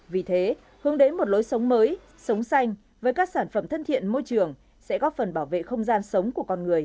vì thế hướng đến một lối sống mới sống xanh với các sản phẩm thân thiện môi trường sẽ góp phần bảo vệ không gian sống của con người